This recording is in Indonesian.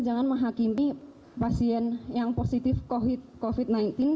jangan menghakimi pasien yang positif covid sembilan belas